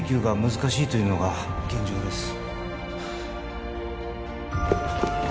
難しいというのが現状です